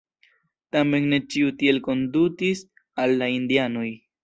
Tamen ne ĉiu tiel kondutis al la indianoj.